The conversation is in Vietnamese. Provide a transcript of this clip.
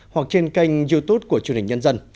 hoặc trên kênh youtube của truyền hình nhân dân